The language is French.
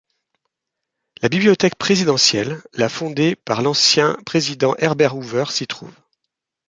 La bibliothèque présidentielle, la fondée par l'ancien président Herbert Hoover s'y trouve.